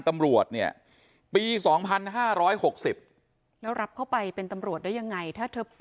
ตำรวจเนี่ยปี๒๕๖๐แล้วรับเข้าไปเป็นตำรวจได้ยังไงถ้าเธอ